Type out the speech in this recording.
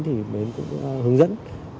thì bến cũng hướng dẫn